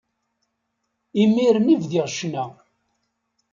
Imiren i bdiɣ ccna.